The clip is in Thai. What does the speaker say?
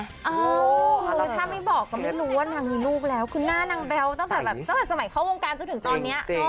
คือถ้าไม่บอกก็ไม่รู้ว่านางมีลูกแล้วคือหน้านางแบ๊วตั้งแต่สมัยเข้าวงการจนถึงตอนนี้